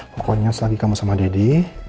pokoknya selagi kamu sama deddy